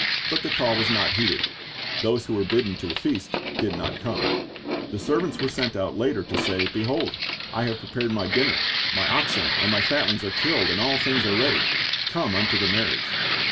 But the call was not heeded. Those who were bidden to the feast did not come. The servants were sent out later to say, "Behold, I have prepared my dinner; my oxen and my fatlings are killed, and all things are ready: come unto the marriage."